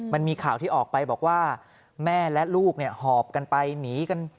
มันมีข่าวที่ออกไปบอกว่าแม่และลูกเนี่ยหอบกันไปหนีกัน